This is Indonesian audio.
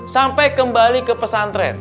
sampai kembali ke pesantren